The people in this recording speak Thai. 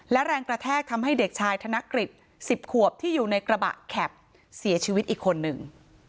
และแรงกระแทกทำให้เด็กชายธนกฤษ๑๐ขวบที่อยู่ในกระบะแข็บเสียชีวิตอีกคนหนึ่ง